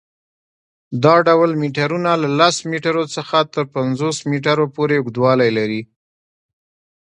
دا ډول میټرونه له لس میټرو څخه تر پنځوس میټرو پورې اوږدوالی لري.